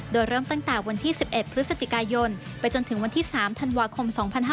โดยเริ่มตั้งแต่วันที่๑๑พฤศจิกายนไปจนถึงวันที่๓ธันวาคม๒๕๕๙